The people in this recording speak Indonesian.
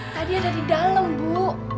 tadi ada di dalam bu